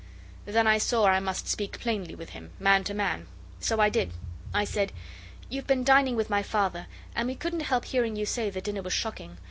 Then I saw I must speak plainly with him, man to man. So I did. I said 'You've been dining with my Father, and we couldn't help hearing you say the dinner was shocking.